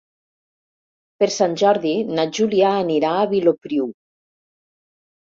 Per Sant Jordi na Júlia anirà a Vilopriu.